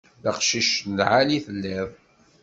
D aqcic n lεali i telliḍ.